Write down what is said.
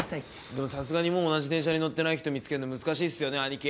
でもさすがにもう同じ電車に乗ってない人見つけるの難しいっすよね兄貴。